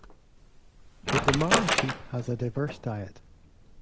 The Damara sheep has a diverse diet.